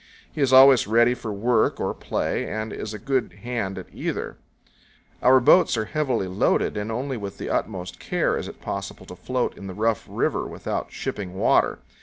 He is always ready for work or play and is a good hand at either. Our boats are heavily loaded, and only with the utmost care is it pos 124 CANYONS OF THE COLORADO. sible to float in the rough river without shipping water.